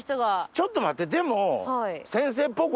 ちょっと待ってでも。